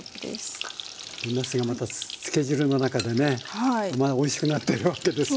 なすがまたつけ汁の中でねまあおいしくなってるわけですよね。